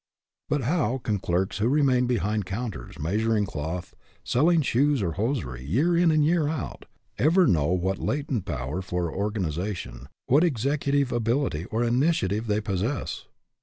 But how can clerks who remain behind counters, measuring cloth, selling shoes or hosiery, year in and year out, ever know what latent power for organization, what executive ability or initiative they possess?